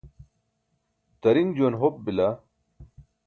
tariṅ juwan hop bila